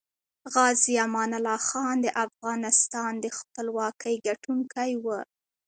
غازي امان الله خان دافغانستان دخپلواکۍ ګټونکی وه